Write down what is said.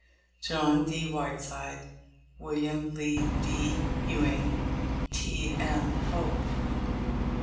John D. Whiteside. Wm. Lee D. Ewing. T. M. Hope.